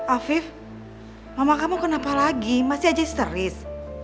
afif mama kamu kenapa lagi masih aja histeris